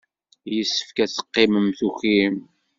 Yessefk ad teqqimem tukim.